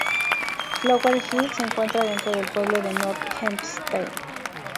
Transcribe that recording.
Flower Hill se encuentra dentro del pueblo de North Hempstead.